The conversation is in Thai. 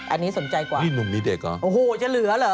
อันนี้สนใจกว่านี่หนุ่มมีเด็กเหรอโอ้โหจะเหลือเหรอ